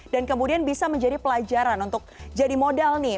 kemudian bisa menjadi pelajaran untuk jadi modal nih